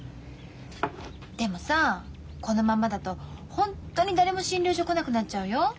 でもさこのままだとホントに誰も診療所来なくなっちゃうよ。